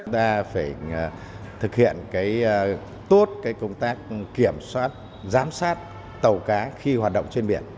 chúng ta phải thực hiện tốt công tác kiểm soát giám sát tàu cá khi hoạt động trên biển